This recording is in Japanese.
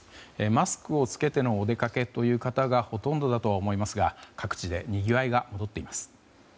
マスクを着けてのお出かけという方がほとんどだとは思いますが各地でにぎわいが戻っています。